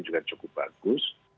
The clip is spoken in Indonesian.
juga cukup bagus